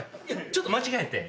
ちょっと間違えて。